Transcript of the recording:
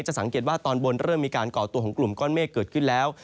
สังเกตว่าตอนบนเริ่มมีการก่อตัวของกลุ่มก้อนเมฆเกิดขึ้นแล้ว